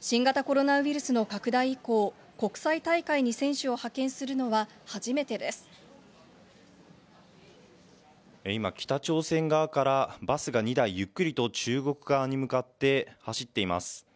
新型コロナウイルスの拡大以降、国際大会に選手を派遣するのは、今、北朝鮮側からバスが２台ゆっくりと中国側に向かって走っています。